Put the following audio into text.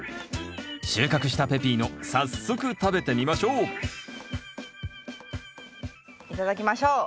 収穫したペピーノ早速食べてみましょう頂きましょう。